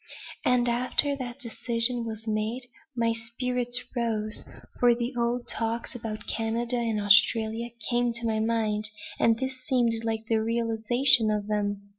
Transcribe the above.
And after that decision was made, my spirits rose, for the old talks about Canada and Australia came to my mind, and this seemed like a realization of them.